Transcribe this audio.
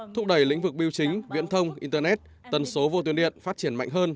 thúc đẩy lĩnh vực biểu chính viễn thông internet tần số vô tuyến điện phát triển mạnh hơn